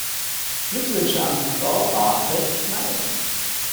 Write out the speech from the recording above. Glückwünsche an Frau Barthet-Mayer.